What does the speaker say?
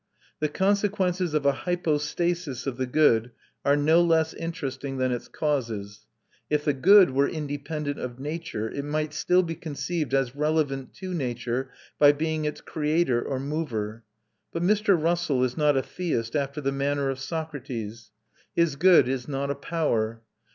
The consequences of a hypostasis of the good are no less interesting than its causes. If the good were independent of nature, it might still be conceived as relevant to nature, by being its creator or mover; but Mr. Russell is not a theist after the manner of Socrates; his good is not a power.